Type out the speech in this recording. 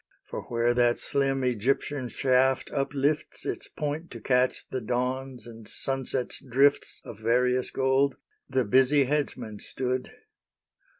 For where that slim Egyptian shaft uplifts Its point to catch the dawn's and sunset's drifts Of various gold, the busy Headsman stood.